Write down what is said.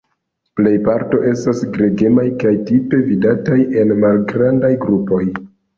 Plej parto estas gregemaj kaj tipe vidataj en malgrandaj grupoj.